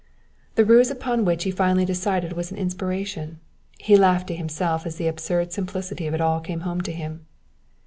The ruse upon which he finally decided was an inspiration. He laughed to himself as the absurd simplicity of it all came home to him.